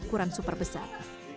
dan ukuran super besar